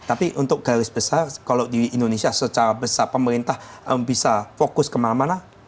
tapi untuk garis besar kalau di indonesia secara besar pemerintah bisa fokus kemana mana